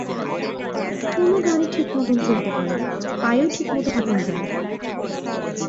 কোনো গাড়ি ঠিকমতো চলতে পারে না, পায়েও ঠিকমতো হাঁটন যায় না।